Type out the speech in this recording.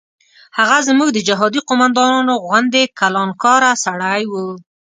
هغه زموږ د جهادي قوماندانانو غوندې کلانکاره سړی و.